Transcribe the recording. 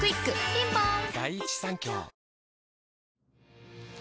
ピンポーン